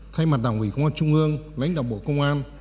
thay mặt đảng ủy công an trung ương lãnh đạo bộ công an